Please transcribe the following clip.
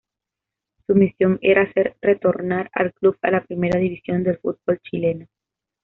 Su misión era hacer retornar al club a la Primera División del fútbol chileno.